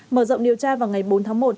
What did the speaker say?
mở rộng điều tra vào ngày bốn tháng một